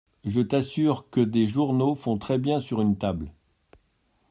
Je t’assure que des journaux font très bien sur une table.